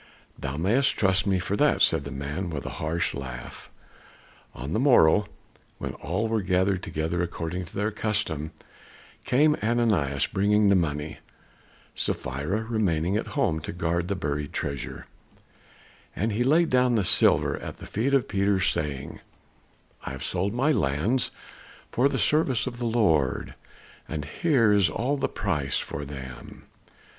"Thou mayest trust me for that!" said the man with a harsh laugh. On the morrow, when all were gathered together according to their custom, came Ananias bringing the money Sapphira remaining at home to guard the buried treasure; and he laid down the silver at the feet of Peter, saying, "I have sold my lands for the service of the Lord, and here is all the price of them."